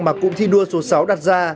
mà cục thi đua số sáu đặt ra